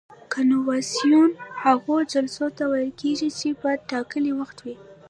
کنوانسیون هغو جلسو ته ویل کیږي چې په ټاکلي وخت وي.